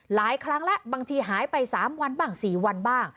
หลายครั้งแล้วบางทีหายไป๓วันบ้าง๔วันบ้าง